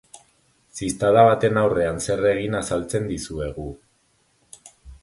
Ziztada baten aurrean zer egin azaltzen dizuegu.